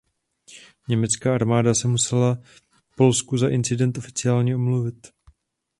Německá armáda se musela Polsku za incident oficiálně omluvit.